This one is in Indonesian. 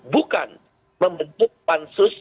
bukan membentuk pansus